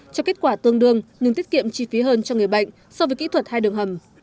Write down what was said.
cho kết quả tương đương nhưng tiết kiệm chi phí hơn cho người bệnh so với kỹ thuật hai đường hầm